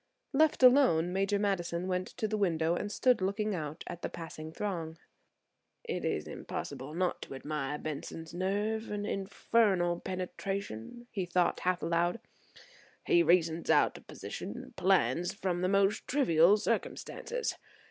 Left alone, Major Madison went to the window and stood looking out at the passing throng. "It is impossible not to admire Benson's nerve and his infernal penetration," he thought half aloud. "He reasons out a position and plans from the most trivial circumstances.